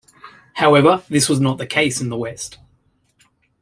However, this was not the case In the West.